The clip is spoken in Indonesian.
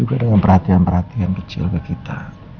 juga dengan perhatian perhatian kecil ke kita